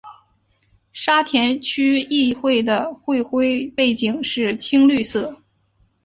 沙田区议会的会徽背景是青绿色。